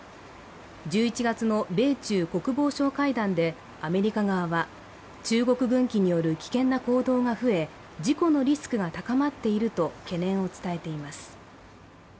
１１月の米中国防相会談でアメリカ側は中国軍機による危険な行動が増え、事故のリスクが高まっていると懸念を伝えています。